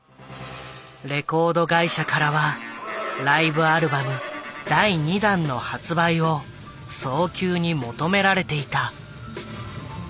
レコード会社からはライブアルバム第２弾の発売を早急に求められていた。